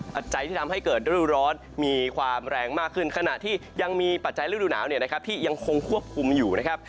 ปัจจัยที่ทำให้เกิดฤดูร้อนมีความแรงมากขึ้นขณะที่ยังมีปัจจัยฤดูหนาวเนี่ยนะครับที่ยังคงควบคุมอยู่นะครับ